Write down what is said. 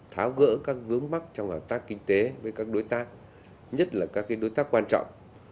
tháo gỡ các vướng mắc trong hợp tác kinh tế với các đối tác nhất là các đối tác quan trọng